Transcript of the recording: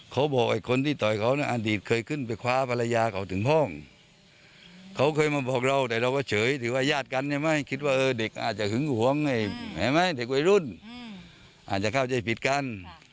คิดว่าเออเด็กอาจจะขึ้นห่วงไงอาจจะเข้าใจผิดกัน